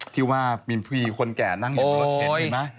ที่ว่าบิลพรีคนแก่นั่งอยู่บริเวณเทศเห็นไหม